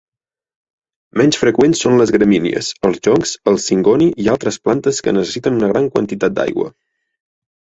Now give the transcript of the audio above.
Menys freqüents són les gramínies, els joncs, el singoni i altres plantes que necessiten una gran quantitat d'aigua.